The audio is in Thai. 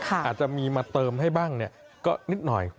อาจจะมีมาเติมให้บ้างก็นิดหน่อย